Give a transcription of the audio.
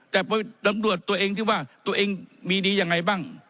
แต่ตำรวจตัวเองที่ว่าตัวเองมีดียังไงบ้าง